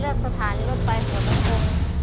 เลือกสถานีรถไปหัวลำโพง